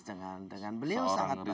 dengan beliau sangat bagus